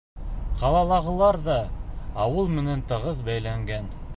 Ҡалалағылар ҙа ауыл менән тығыҙ бәйләнгән.